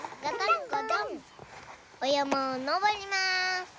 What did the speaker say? おやまをのぼります。